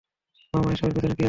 মামা, এসবের পেছনে কে আছে?